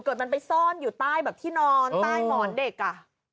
มันไปซ่อนอยู่ใต้แบบที่นอนใต้หมอนเด็กอ่ะ